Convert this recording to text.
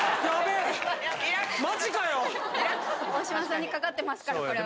大島さんにかかってますからこれは。